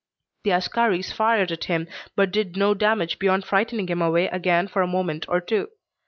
The askaris fired at him, but did no damage beyond frightening him away again for a moment or two.